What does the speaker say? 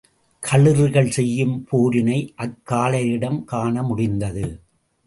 களிறுகள் செய்யும் போரினை அக்காளையரிடம் காணமுடிந்தது.